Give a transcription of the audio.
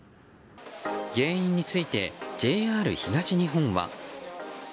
原因についてＪＲ東日本は。